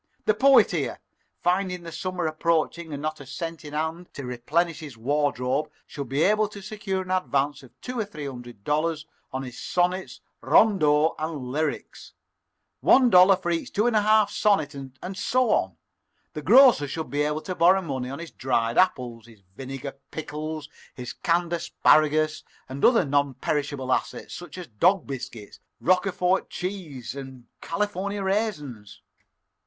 The Poet here, finding the summer approaching and not a cent in hand to replenish his wardrobe, should be able to secure an advance of two or three hundred dollars on his sonnets, rondeaux, and lyrics one dollar for each two and a half dollar sonnet, and so on. The grocer should be able to borrow money on his dried apples, his vinegar pickles, his canned asparagus, and other non perishable assets, such as dog biscuit, Roquefort cheese, and California raisins.